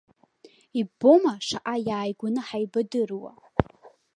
Иббома, шаҟа иааигәаны ҳаибадыруа.